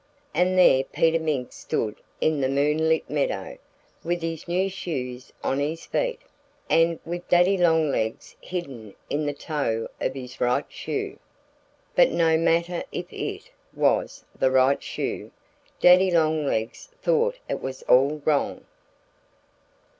And there Peter Mink stood in the moon lit meadow, with his new shoes on his feet, and with Daddy Longlegs hidden in the toe of his right shoe. But no matter if it was the right shoe, Daddy Longlegs thought it was all wrong.